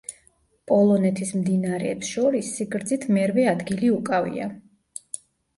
პოლონეთის მდინარეებს შორის სიგრძით მერვე ადგილი უკავია.